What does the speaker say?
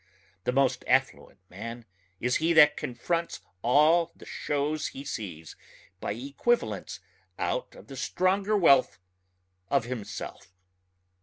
The most affluent man is he that confronts all the shows he sees by equivalents out of the stronger wealth of himself.